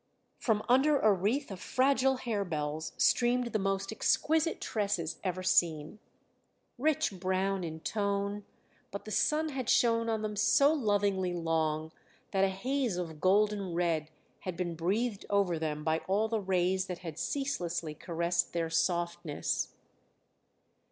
From under a wreath of fragile harebells streamed the most exquisite tresses ever seen rich brown in tone, but the sun had shone on them so lovingly long, that a haze of golden red had been breathed over them by all the rays that had ceaselessly caressed their softness.